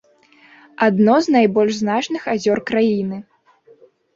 Адно з найбольш значных азёр краіны.